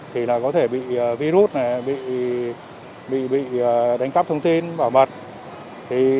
thì có thể bị virus này bị đánh cắp thông tin bảo mật